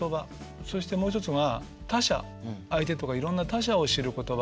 そしてもう一つが他者相手とかいろんな他者を知る言葉。